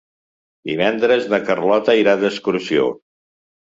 Divendres na Carlota irà d'excursió.